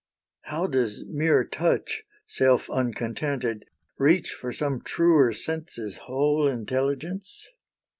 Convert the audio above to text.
How does mere touch, self uncontented, reach For some truer sense's whole intelligence?